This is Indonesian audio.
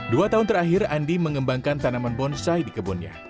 dua tahun terakhir andi mengembangkan tanaman bonsai di kebunnya